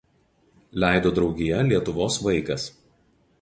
Leido draugija „Lietuvos vaikas“.